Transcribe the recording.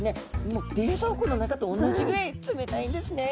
もう冷蔵庫の中と同じぐらい冷たいんですね。